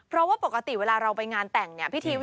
แล้วปกติเวลาเราไปงานแต่ง